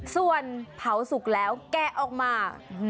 ส่วนเผาสุกแล้วแกะออกมา